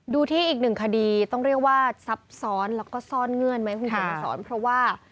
ดูที่อีกหนึ่งคดีต้องเรียกว่าสับสอนและก็ซ่อนเงื่อนเพราะว่า